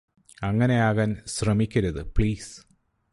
അങ്ങനെ ആകാൻ ശ്രമിക്കരുത് പ്ലീസ്